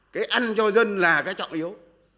cái ăn cho dân là cái trọng yếu